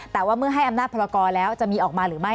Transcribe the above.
แต่ว่าเมื่อให้อำนาจพรกรแล้วจะมีออกมาหรือไม่